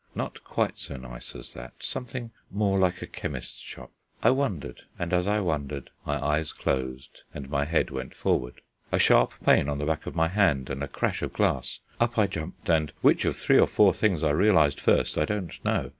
Not quite so nice as that; something more like a chemist's shop. I wondered: and as I wondered, my eyes closed and my head went forward. A sharp pain on the back of my hand, and a crash of glass! Up I jumped, and which of three or four things I realized first I don't know now.